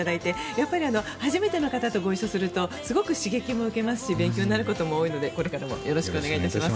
やっぱり、初めての方とご一緒するとすごく刺激も受けますし勉強にもなりますのでこれからもよろしくお願いします。